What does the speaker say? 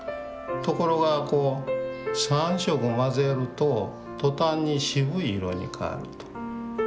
ところが３色混ぜると途端に渋い色に変わると。